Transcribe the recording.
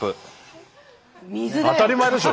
当たり前でしょ！